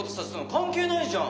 関係ないじゃん。